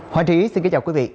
hòa trí xin kính chào quý vị